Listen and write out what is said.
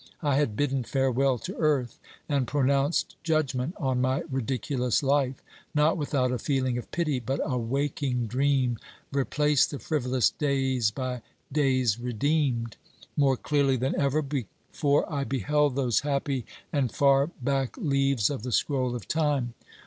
I had bidden farewell to earth and pronounced judgment on my ridiculous life, not without a feeling of pity, but a waking dream replaced the frivolous days by days redeemed. More clearly than ever before I beheld those happy and far back leaves of the scroll of time.